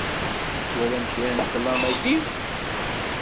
Twalam kra deg ṭlam-agi?